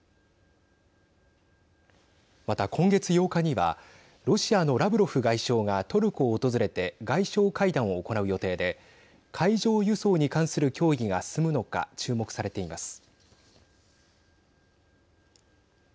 また、今月８日にはロシアのラブロフ外相がトルコを訪れて外相会談を行う予定で海上輸送に関する協議が進むのか注目されています。